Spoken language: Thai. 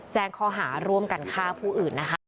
แจ้งข้อหาร่วมกันฆ่าผู้อื่นนะคะ